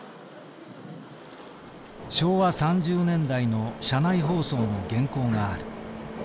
昭和３０年代の車内放送の原稿がある。